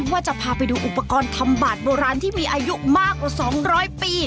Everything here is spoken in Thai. ว่าจะพาไปดูอุปกรณ์ทำบาดโบราณที่มีอายุมากกว่า๒๐๐ปี